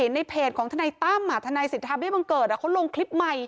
ในเพจของทนายตั้มทนายสิทธาเบี้บังเกิดเขาลงคลิปใหม่